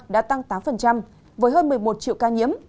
đã tăng tám với hơn một mươi một triệu ca nhiễm